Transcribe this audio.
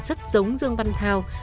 rất giống dương văn thao